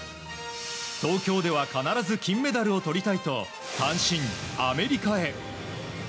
東京では必ず金メダルをとりたいと、単身アメリカへ。